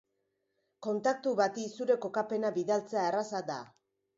Kontaktu bati zure kokapena bidaltzea erraza da.